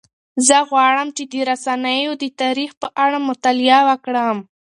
زه غواړم چې د رسنیو د تاریخ په اړه مطالعه وکړم.